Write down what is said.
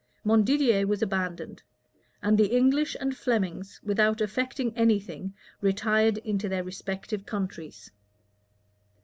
Montdidier was abandoned; and the English and Flemings, without effecting any thing, retired into their respective countries.